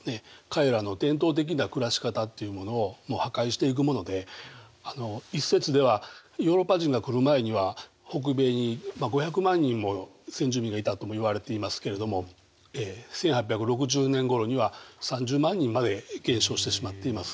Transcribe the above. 彼らの伝統的な暮らし方っていうものを破壊していくもので一説ではヨーロッパ人が来る前には北米に５００万人もの先住民がいたともいわれていますけれども１８６０年ごろには３０万人まで減少してしまっています。